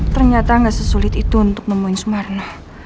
ternyata enggak sesulit itu untuk nemuin sumarno